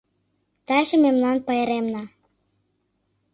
Таче мемнан пайремна